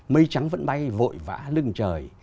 mây trắng vẫn bay vội vã lưng trời